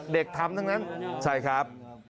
เด็กทำทั้งนั้นใช่ครับ